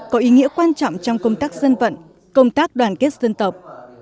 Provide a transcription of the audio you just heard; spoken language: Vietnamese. có ý nghĩa quan trọng trong công tác dân vận công tác đoàn kết dân tộc